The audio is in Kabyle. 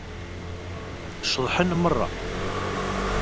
Ceḍḥen meṛṛa.